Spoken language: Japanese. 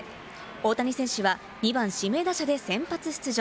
大谷選手は２番指名打者で先発出場。